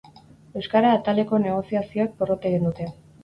Euskara ataleko negoziazioek porrot egin dute.